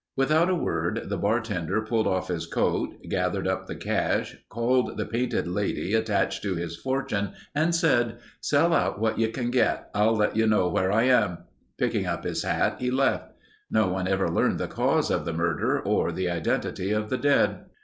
Without a word, the bartender pulled off his coat, gathered up the cash, called the painted lady attached to his fortune and said, "Sell out for what you can get. I'll let you know where I am." Picking up his hat he left. No one ever learned the cause of the murder or the identity of the dead.